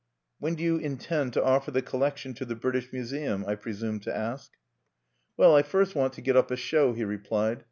"When do you intend to offer the collection to the British Museum?" I presumed to ask. "Well, I first want to get up a show," he replied.